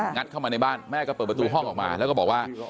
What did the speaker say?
งัดเข้ามาในบ้านแม่ก็เปิดประตูห้องออกมาแล้วก็บอกว่า